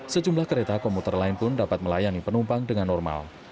sejumlah kereta komuter lain pun dapat melayani penumpang dengan normal